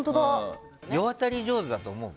世渡り上手だと思う？